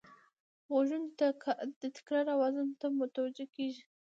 غوږونه د تکرار آواز ته متوجه کېږي